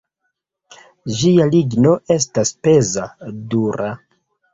Ĝia ligno estas peza, dura.